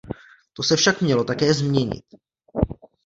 To se však mělo také změnit.